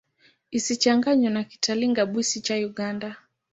Isichanganywe na Kitalinga-Bwisi cha Uganda.